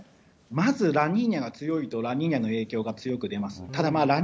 まず、ラニーニャが強いとラニーニャの影響が強くなります。